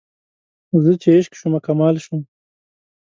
زه چې عشق شومه کمال شوم